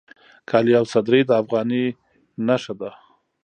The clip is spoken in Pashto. کالي او صدرۍ د افغاني نښه ده